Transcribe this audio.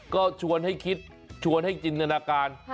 ก็ชวนให้คิดชวนให้จินตนาการ